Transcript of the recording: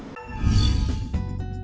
cảm ơn các bạn